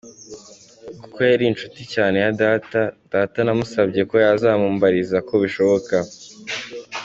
Kuko yari inshuti cyane ya data, data namusabye ko yazamumbariza ko bishoboka.